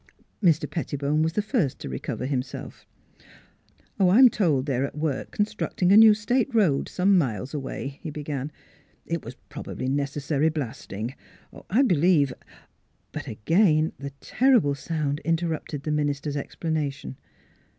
Mr. Pettibone was the first to recover himself. " I am told they are at work constructing a new state road some miles away," he began; "it was probably necessary blasting. I believe " But again the terrible sound interrupted the minister's explanation.